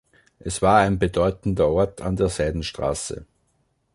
Es war ein bedeutender Ort an der Seidenstraße.